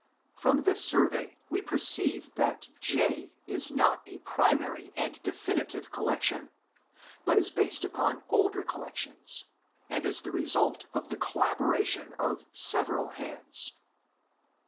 From this survey we perceive that J is not a primary and definitive collection, but is based upon older collections and is the result of the collabora tion of several hands.